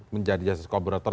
menjadi jasadis kooperator